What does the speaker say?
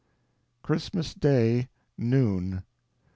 CHRISTMAS DAY. NOON.